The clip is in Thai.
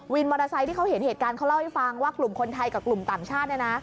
มอเตอร์ไซค์ที่เขาเห็นเหตุการณ์เขาเล่าให้ฟังว่ากลุ่มคนไทยกับกลุ่มต่างชาติ